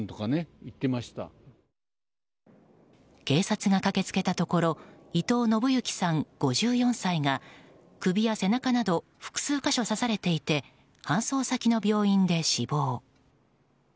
警察が駆け付けたところ伊藤信幸さん、５４歳が首や背中など複数箇所刺されていて搬送先の病院で死亡。